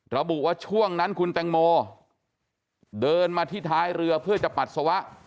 ระบุว่าช่วงนั้นคุณแตงโมเดินมาที่ท้ายเรือเพื่อจะปัสสาวะ